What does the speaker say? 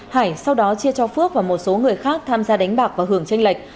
hải sau đó chia cho phước và một số người khác tham gia đánh bạc và hưởng tranh lệch